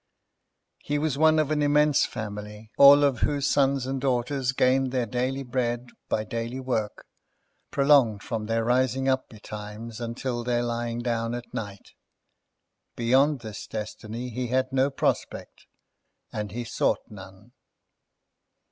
He was one of an immense family, all of whose sons and daughters gained their daily bread by daily work, prolonged from their rising up betimes until their lying down at night. Beyond this destiny he had no prospect, and he sought none.